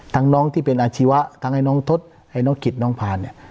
น้องที่เป็นอาชีวะทั้งไอ้น้องทศไอ้น้องกิจน้องพานเนี่ย